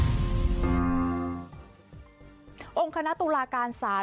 และความมีโมชะการรับวิจารณาราชาลชั่วโลกสรุปการณ์